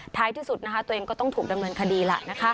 ท้ายที่สุดตัวเองก็ต้องถูกดำเนินคดีล่ะ